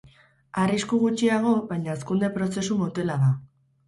Arrisku gutxiago baina hazkunde prozesu motela da.